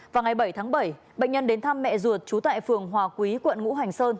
vào ngày bảy tháng bảy bệnh nhân đến thăm mẹ ruột trú tại phường hòa quý quận ngũ hành sơn